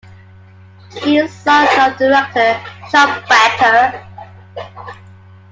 He is son of the director Jacques Becker.